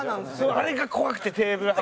あれが怖くてテーブルが。